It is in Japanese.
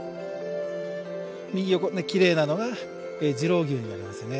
右横きれいなのが次郎笈になりますね。